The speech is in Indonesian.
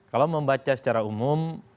kalau membaca secara umum